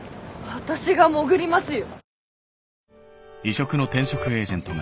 私が潜りますよ。